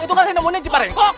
itu kan senemunya cepat rengkok